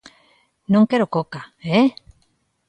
_Non quero Coca, ¿eh?